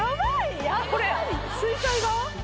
これ水彩画？